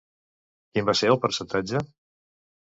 Quin va ser el percentatge?